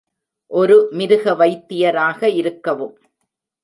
ஒரு மிருக வைத்தியராக இருக்கவும்.